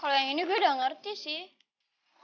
kalau yang ini gue udah ngerti sih